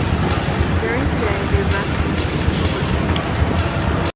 During the day, they rest in trees or bushes.